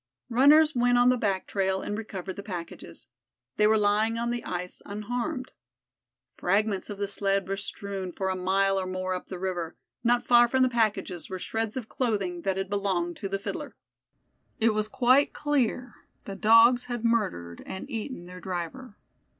Runners went on the back trail and recovered the packages. They were lying on the ice unharmed. Fragments of the sled were strewn for a mile or more up the river; not far from the packages were shreds of clothing that had belonged to the Fiddler. It was quite clear, the Dogs had murdered and eaten their driver.